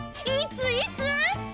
いついつ？